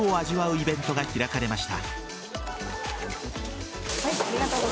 イベントが開かれました。